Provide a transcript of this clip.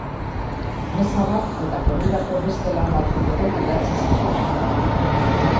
Meza bat eta korurako beste lan batzuk ere idatzi zituen.